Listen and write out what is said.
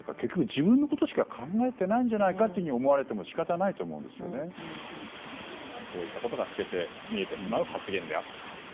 自分のことしか考えてないんじゃないかと思われても仕方ないとそういったことが透けて見えてしまう発言であったと。